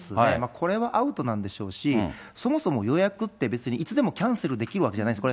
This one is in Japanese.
これはアウトなんでしょうし、そもそも予約って、別にいつでもキャンセルできるわけじゃないんです。